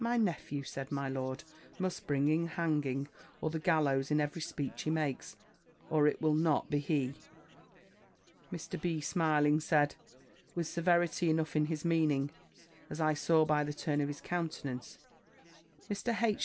"My nephew," said my lord, "must bring in hanging, or the gallows in every speech he makes, or it will not be he." Mr. B., smiling, said, with severity enough in his meaning, as I saw by the turn of his countenance, "Mr. H.